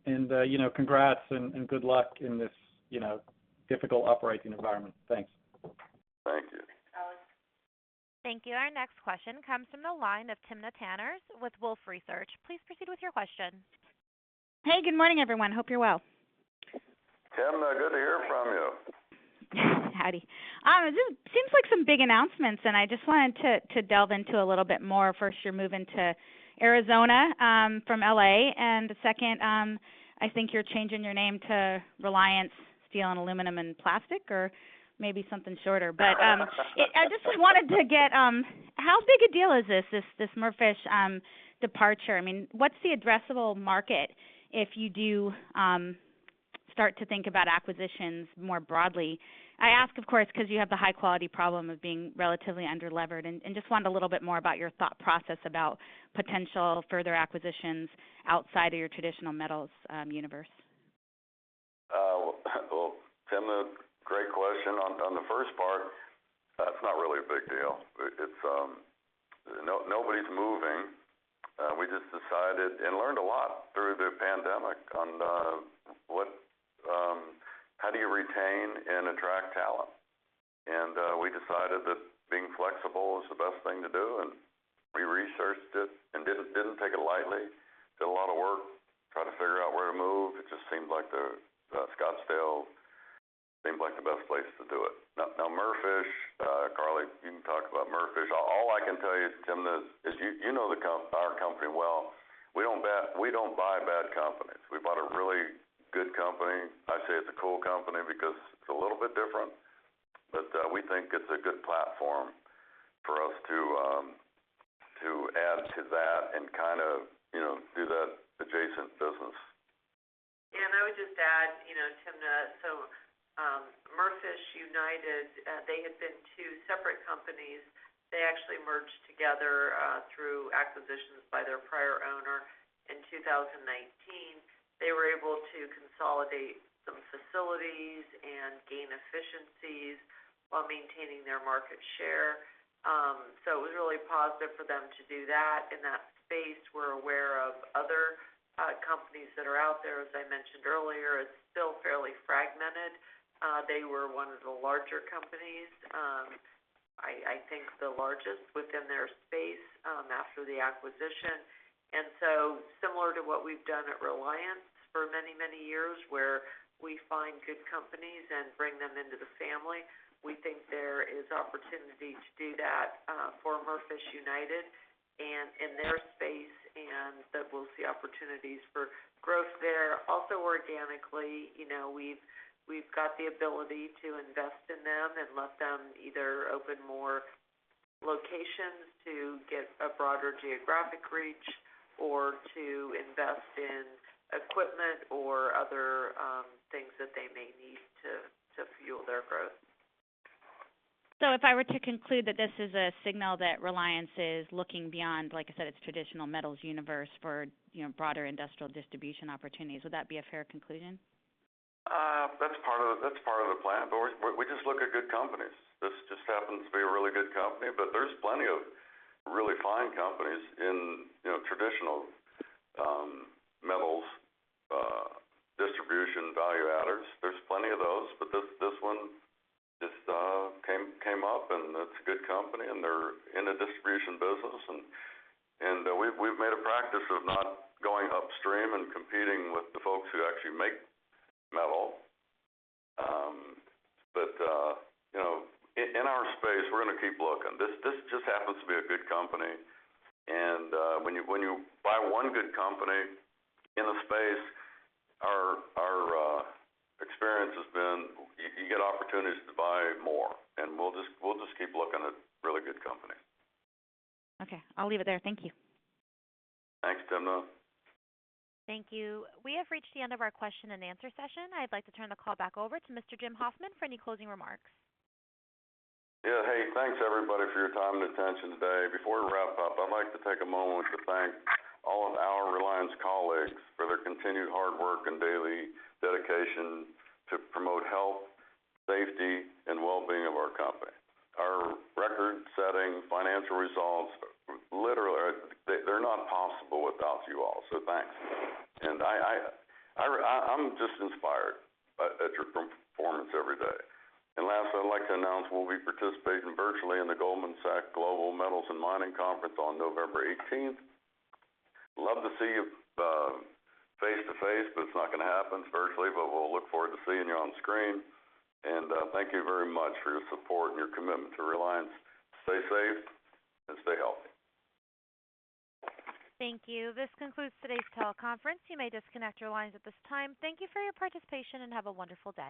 know, congrats and good luck in this, you know, difficult operating environment. Thanks. Thank you. Thank you. Our next question comes from the line of Timna Tanners with Wolfe Research. Please proceed with your question. Hey, good morning, everyone. Hope you're well. Timna, good to hear from you. Howdy. Seems like some big announcements, and I just wanted to delve into a little bit more. First, you're moving to Arizona from L.A. The second, I think you're changing your name to Reliance Steel and Aluminum and Plastic or maybe something shorter. I just wanted to get how big a deal is this Merfish departure? I mean, what's the addressable market if you do start to think about acquisitions more broadly? I ask, of course, 'cause you have the high quality problem of being relatively underlevered. Just wondered a little bit more about your thought process about potential further acquisitions outside of your traditional metals universe. Well, Timna, great question. On the first part, it's not really a big deal. It's nobody's moving. We just decided and learned a lot through the pandemic on what how do you retain and attract talent. We decided that being flexible is the best thing to do, and we researched it and didn't take it lightly. Did a lot of work trying to figure out where to move. It just seemed like the Scottsdale seemed like the best place to do it. Now, Merfish, Karla, you can talk about Merfish. All I can tell you, Timna, is you know our company well. We don't buy bad companies. We bought a really good company. I say it's a cool company because it's a little bit different, but we think it's a good platform for us to add to that and kind of, you know, do that adjacent business. I would just add, you know, Timna, Merfish United, they had been two separate companies. They actually merged together through acquisitions by their prior owner in 2019. They were able to consolidate some facilities and gain efficiencies while maintaining their market share. It was really positive for them to do that. In that space, we're aware of other companies that are out there. As I mentioned earlier, it's still fairly fragmented. They were one of the larger companies, I think the largest within their space, after the acquisition. Similar to what we've done at Reliance for many, many years, where we find good companies and bring them into the family, we think there is opportunity to do that for Merfish United and in their space, and that we'll see opportunities for growth there. Also organically, you know, we've got the ability to invest in them and let them either open more locations to get a broader geographic reach or to invest in equipment or other things that they may need to fuel their growth. If I were to conclude that this is a signal that Reliance is looking beyond, like I said, its traditional metals universe for, you know, broader industrial distribution opportunities, would that be a fair conclusion? That's part of the plan. We just look at good companies. This just happens to be a really good company. There's plenty of really fine companies in, you know, traditional metals distribution value adders. There's plenty of those. This one just came up, and it's a good company, and they're in the distribution business. We've made a practice of not going upstream and competing with the folks who actually make metal. You know, in our space, we're gonna keep looking. This just happens to be a good company. When you buy one good company in a space, our experience has been you get opportunities to buy more, and we'll just keep looking at really good companies. Okay. I'll leave it there. Thank you. Thanks, Timna. Thank you. We have reached the end of our question and answer session. I'd like to turn the call back over to Mr. Jim Hoffman for any closing remarks. Yeah. Hey, thanks, everybody, for your time and attention today. Before we wrap up, I'd like to take a moment to thank all of our Reliance colleagues for their continued hard work and daily dedication to promote health, safety, and well-being of our company. Our record-setting financial results, literally, they're not possible without you all, so thanks. I'm just inspired by your performance every day. Last, I'd like to announce we'll be participating virtually in the Goldman Sachs Global Metals & Mining Conference on November 18th. Love to see you face-to-face, but it's not gonna happen, it's virtually. We'll look forward to seeing you on screen. Thank you very much for your support and your commitment to Reliance. Stay safe and stay healthy. Thank you. This concludes today's teleconference. You may disconnect your lines at this time. Thank you for your participation, and have a wonderful day.